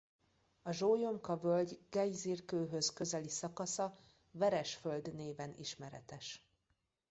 A Zsólyomka-völgy gejzírkőhöz közeli szakasza Veres-föld néven ismeretes.